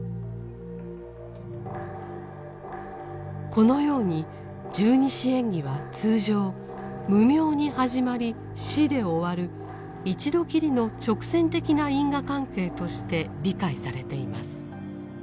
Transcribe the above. このように十二支縁起は通常「無明」に始まり「死」で終わる一度きりの直線的な因果関係として理解されています。